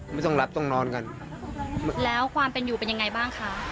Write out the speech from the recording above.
ไม่ต้องรับต้องนอนกันแล้วความเป็นอยู่เป็นยังไงบ้างคะ